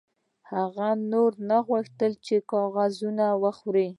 هغه نور نه غوښتل چې کاغذونه وخوري